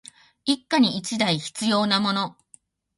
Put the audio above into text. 一家に一台必要なもの